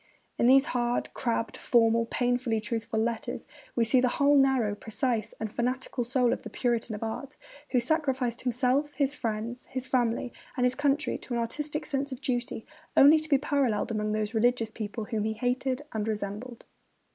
In these hard, crabbed, formal, painfully truthful letters we see the whole narrow, precise, and fanatical soul of this Puritan of art, who sacrificed himself, his family, his friends, and his country to an artistic sense of duty only to be paralleled among those religious people whom he hated and resembled.